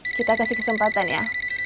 kita kasih kesempatan ya